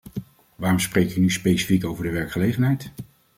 Waarom spreek ik nu specifiek over de werkgelegenheid?